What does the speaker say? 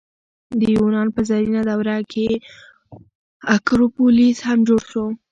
د یونان په زرینه دوره کې اکروپولیس هم جوړ شو.